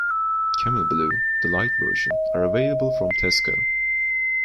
Camel Blue, the light version, are available from Tesco.